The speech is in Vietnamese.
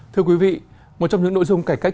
thưa quý vị một trong những nội dung cải cách